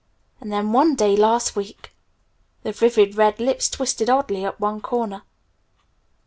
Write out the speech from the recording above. And then one day last week " the vivid red lips twisted oddly at one corner.